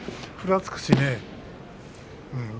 ふらつくしね。